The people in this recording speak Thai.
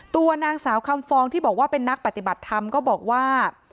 ตัวนางสาวคำฟองที่บอกว่าเป็นนักปฏิบัติธรรมก็บอกว่า